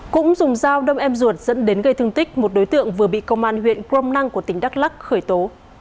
cũng dùng dao đâm em ruột dẫn đến gây thương tích một đối tượng vừa bị công an huyện crom năng của tỉnh đắk lắc khởi tố